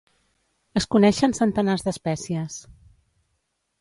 Es coneixen centenars d'espècies.